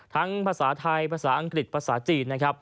ทั้งภาษาไทยภาษาอังกฤษภาษาจีน